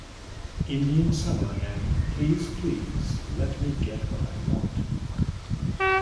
"Indian Summer", and "Please, Please, Let Me Get What I Want".